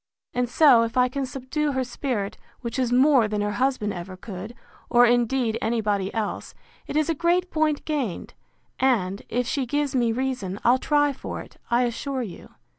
And so, if I can subdue her spirit, which is more than her husband ever could, or indeed any body else, it is a great point gained: And, if she gives me reason, I'll try for it, I assure you.